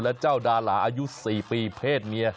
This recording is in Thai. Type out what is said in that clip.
และเจ้าดาราอายุ๔ปีเพศเมีย